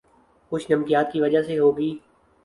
کچھ نمکیات کی وجہ سے ہوگی